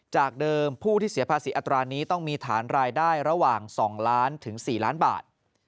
จากเดิมผู้ที่เสียภาษีอัตรานี้ต้องมีฐานรายได้ระหว่าง๒ล้านถึง๔ล้านบาท